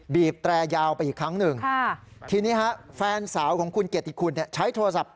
บีบแตรยาวไปอีกครั้งหนึ่งทีนี้ฮะแฟนสาวของคุณเกียรติคุณใช้โทรศัพท์